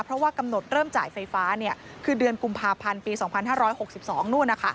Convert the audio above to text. เพราะว่ากำหนดเริ่มจ่ายไฟฟ้าคือเดือนกุมภาพันธ์ปี๒๕๖๒นู่น